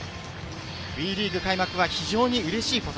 ＷＥリーグ開幕は非常にうれしいこと。